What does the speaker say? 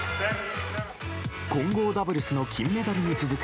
混合ダブルスの金メダルに続く